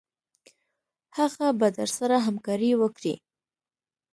هغه به درسره همکاري وکړي.